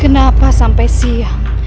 kenapa sampai siang